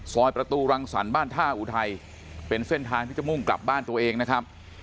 ซอยประตูรังสรรค์บ้านท่าอุทัยเป็นเส้นทางที่จะมุ่งกลับบ้านตัวเองนะครับ